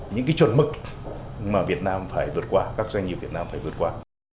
những cái chuẩn mực mà việt nam phải vượt qua các doanh nghiệp việt nam phải vượt qua